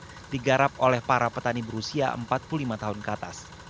di jawa barat digarap oleh para petani berusia empat puluh lima tahun ke atas